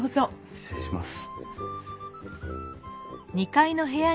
失礼します。